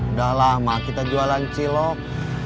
udah lama kita jualan cilok